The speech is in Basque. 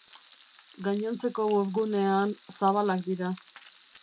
Gainontzeko webgunean zabalak dira.